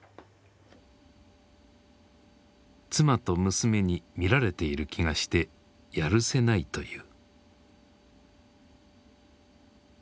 妻と娘に見られている気がしてやるせないという。